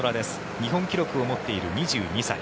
日本記録を持っている２２歳。